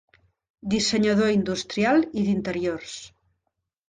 Dissenyador industrial i d'interiors.